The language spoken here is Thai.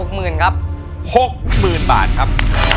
หกหมื่นบาทครับ